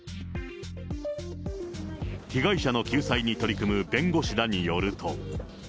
被害者の救済に取り組む弁護士らによると。